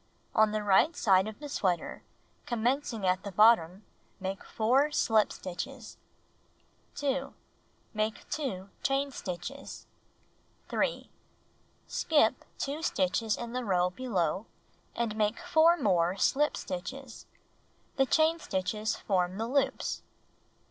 On the right hand side of the sweater, commencing at the Chlin stitch bottom, make 4 slip stitches. 2. Make 2 chain stitches. 3. Skip 2 stitches in the row below, and make 4 more slip stitches. The chain stitches form the loops.